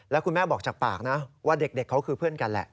แล้วคุณแม่บอกจากปากนะว่าเด็กเขาคือเพื่อนกันแหละ